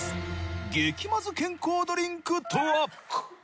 激マズ健康ドリンクとは？